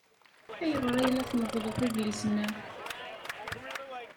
Ayɣer ay la tmeḍḍleḍ idlisen-a?